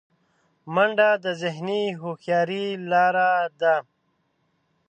منډه د ذهني هوښیارۍ لاره ده